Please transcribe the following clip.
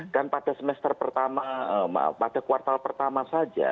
dan pada semester pertama pada kuartal pertama saja